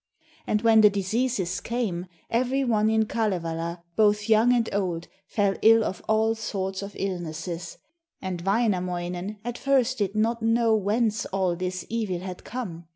And when the diseases came, every one in Kalevala, both young and old, fell ill of all sorts of illnesses, and Wainamoinen at first did not know whence all this evil had come.